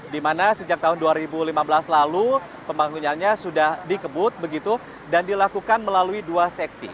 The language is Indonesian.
dimana sejak tahun dua ribu lima belas lalu pembangunannya sudah dikebut begitu dan dilakukan melalui dua seksi